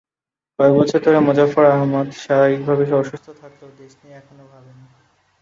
কয়েক বছর ধরে মোজাফফর আহমদ শারীরিকভাবে অসুস্থ থাকলেও দেশ নিয়ে এখনো ভাবেন।